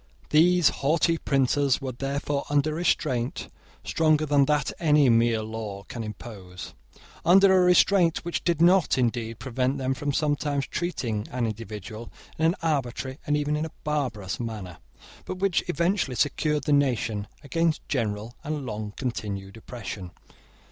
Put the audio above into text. These haughty princes were therefore under a restraint stronger than any that mere law can impose, under a restraint which did not, indeed, prevent them from sometimes treating an individual in an arbitrary and even in a barbarous manner, but which effectually secured the nation against general and long continued oppression.